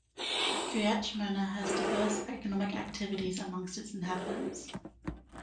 Kiryat Shmona has diverse economic activities among its inhabitants.